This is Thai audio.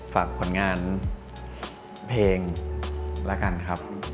ฝากผลงานเพลงแล้วกันครับ